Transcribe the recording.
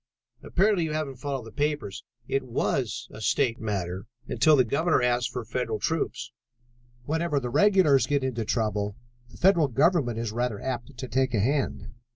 "Apparently you haven't followed the papers. It was a state matter until the Governor asked for federal troops. Whenever the regulars get into trouble, the federal government is rather apt to take a hand."